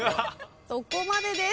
そこまでです。